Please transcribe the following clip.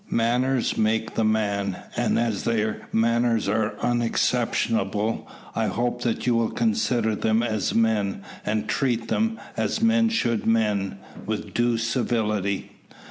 Manners makes the man, and as their manners are unexceptionable, I hope that you will consider them as men, and treat them, as men should men, with due civility."